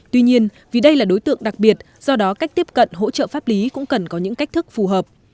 tuy nhiên vì đây là đối tượng đặc biệt do đó cách tiếp cận hỗ trợ pháp lý cũng cần có những cách thức phù hợp